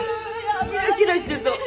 キラキラしてそう。